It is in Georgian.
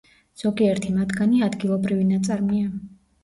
ზოგიერთი მათგანი ადგილობრივი ნაწარმია.